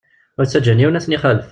Ur ttaǧǧan yiwen ad ten-ixalef.